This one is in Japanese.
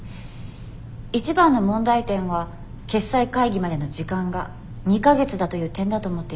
一番の問題点は決裁会議までの時間が２か月だという点だと思っています。